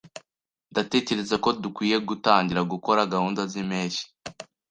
Ndatekereza ko dukwiye gutangira gukora gahunda zimpeshyi.